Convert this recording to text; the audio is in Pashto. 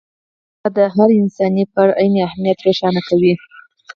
دا د هر انساني فرد عیني اهمیت روښانه کوي.